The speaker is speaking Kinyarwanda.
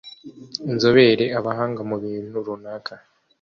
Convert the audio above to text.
inzobere: abahanga mu bintu runaka